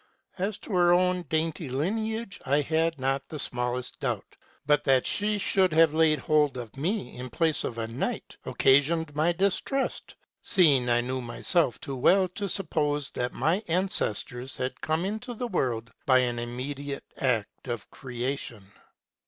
As to her own dainty lineage I had not the smallest doubt ; but that she should have laid hold of me in place of a knight occasioned some mistrust, seeing I knew myself too well to suppose that my ancestors had come into the world by an immediate act of creation.